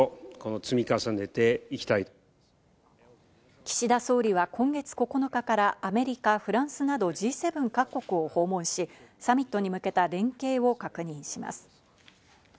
岸田総理は今月９日からアメリカ、フランスなどＧ７各国を訪問し、サミットに向けた連携を確認します。